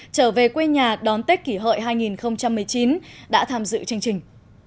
trở về quê nhà đón tết kỷ hợi hai nghìn một mươi chín đã tham dự chương trình